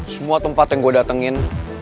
semua tempat yang gue datengin